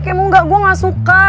kayak mau enggak gue gak suka